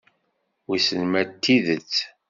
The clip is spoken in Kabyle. Wissen ma d tidet.